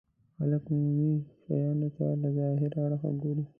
خلک عموما شيانو ته له ظاهري اړخه ګوري.